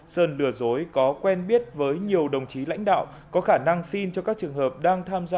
sơn lừa dối có quen biết với nhiều đồng chí lãnh đạo có khả năng xin cho các trường hợp đang tham gia